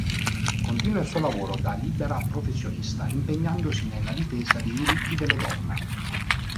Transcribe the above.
Continua il suo lavoro da libera professionista impegnandosi nella difesa dei diritti delle donne.